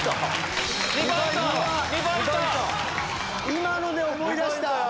今ので思い出した！